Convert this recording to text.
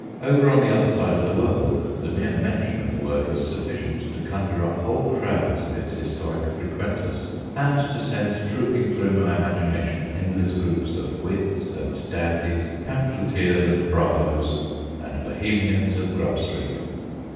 Over on the other side of the world, the mere mention of the word was sufficient to conjure up whole crowds of its historic frequenters, and to send trooping through my imagination endless groups of wits and dandies, pamphleteers and bravos, and bohemians of Grub Street.